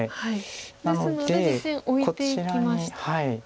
ですので実戦オイていきました。